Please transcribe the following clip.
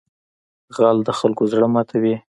غل د خلکو زړه ماتوي